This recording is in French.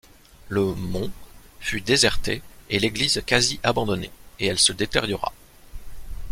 Le ‘mont’ fut déserté et l’église quasi abandonnée et elle se détériorât.